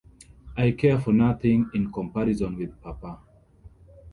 I care for nothing in comparison with papa.